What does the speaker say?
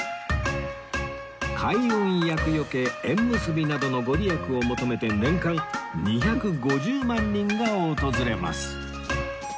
開運厄除け縁結びなどのご利益を求めて年間２５０万人が訪れます